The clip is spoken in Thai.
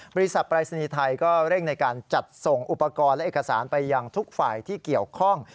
ปรายศนีย์ไทยก็เร่งในการจัดส่งอุปกรณ์และเอกสารไปยังทุกฝ่ายที่เกี่ยวข้อง